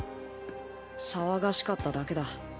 騒がしかっただけだ。